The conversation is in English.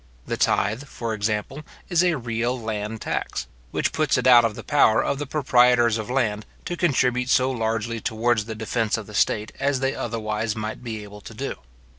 The tithe, for example, is a real land tax, which puts it out of the power of the proprietors of land to contribute so largely towards the defence of the state as they otherwise might be able to do.